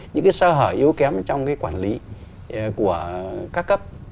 những sơ hở yếu kém trong cái quản lý của các cấp